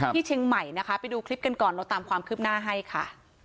ที่เชียงใหม่นะคะไปดูคลิปกันก่อนเราตามความคืบหน้าให้ค่ะ